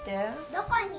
どこに？